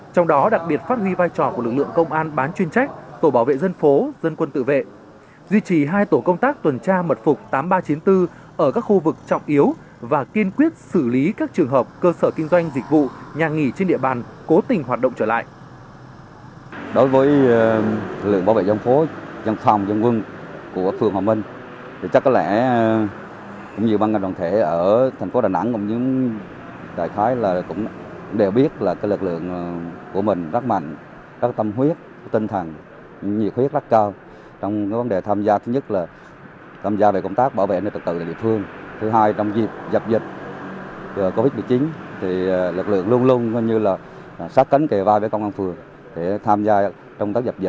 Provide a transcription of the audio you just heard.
trong đó đặc biệt phát huy vai trò của lực lượng công an bán chuyên trách tổ bảo vệ dân phố dân quân tự vệ duy trì hai tổ công tác tuần tra mật phục tám nghìn ba trăm chín mươi bốn ở các khu vực trọng yếu và kiên quyết xử lý các trường hợp cơ sở kinh doanh dịch vụ nhà nghỉ trên địa bàn cố tình hoạt động trở lại